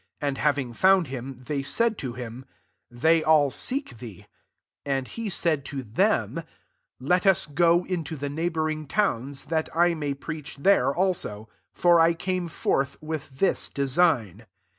37 And having found him, they said to him, " They all seek thee.'* Sa And he said to them, *< Let u& go into the neighbouring towQa^ that I may preach there, also ; for I came forth with this de* sign."